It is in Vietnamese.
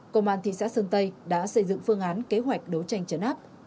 công an thị xã sơn tây đã xây dựng phương án kế hoạch đấu tranh trấn áp